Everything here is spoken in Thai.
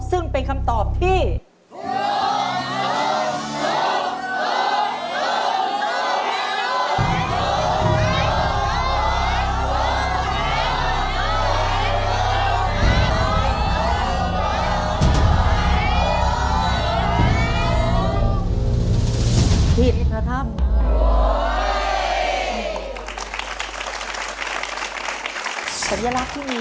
ซึ่งเป็นคำตอบที่